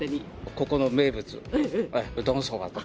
ここの名物、うどん、そばと。